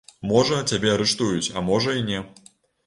Можа, цябе арыштуюць, а можа, і не.